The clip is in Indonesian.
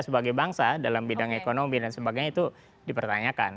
sebagai bangsa dalam bidang ekonomi dan sebagainya itu dipertanyakan